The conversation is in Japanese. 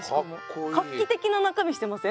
画期的な中身してません？